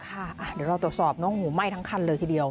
เดี๋ยวเราตรวจสอบน้องหูไหม้ทั้งคันเลยทีเดียว